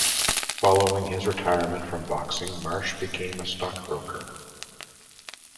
Following his retirement from boxing Marsh became a stockbroker.